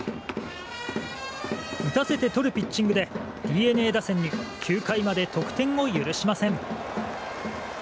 打たせてとるピッチングでＤｅＮＡ打線に９回まで得点を許しません。